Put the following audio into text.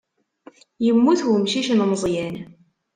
Yemmut umcic n Meẓyan.